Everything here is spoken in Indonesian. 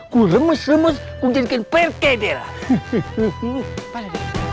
kulemus lemus kugenikan perkederaan